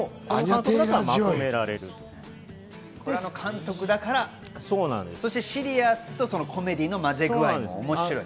この監督だから、そしてシリアスとコメディーのまぜ具合も面白い。